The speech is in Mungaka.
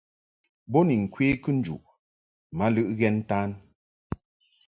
Bo ni ŋkwe kɨnjuʼ ma lɨʼ ghɛn ntan.